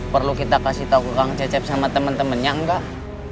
perlu kita kasih tahu ke kang cecep sama temen temennya enggak